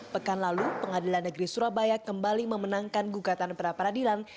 pekan lalu pengadilan negeri surabaya kembali memenangkan gugatan pra peradilan